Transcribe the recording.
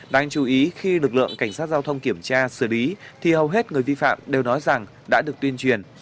đáng chú ý khi lực lượng cảnh sát giao thông kiểm tra xử lý thì hầu hết người vi phạm đều nói rằng đã được tuyên truyền